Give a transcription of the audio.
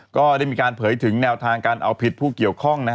ก็ได้มีการเผยถึงแนวทางการเอาผิดผู้เกี่ยวข้อง